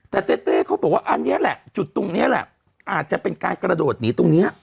แต่เต้เต้เขาบอกว่าอันนี้แหละจุดตรงนี้แหละอาจจะเป็นการกระโดดหนีตรงนี้